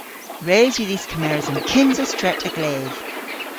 Res yw dhis kemeres an kynsa stret a-gledh.